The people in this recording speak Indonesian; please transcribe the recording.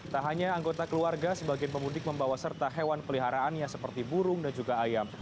tak hanya anggota keluarga sebagian pemudik membawa serta hewan peliharaannya seperti burung dan juga ayam